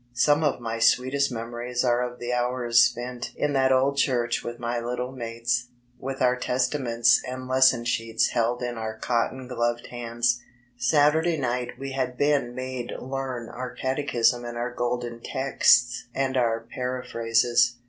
Some of my sweetest memories are of the hours spent in tfiat old church wi A my little mates, with our testaments and lesson sheets held in our cotton gloved hands. Saturday night we had been made learn our catechism and our Golden texts and our para phrases.